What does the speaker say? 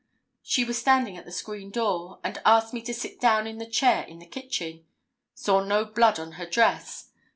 "She was standing at the screen door, and asked me to sit down in the chair in the kitchen. Saw no blood on her dress.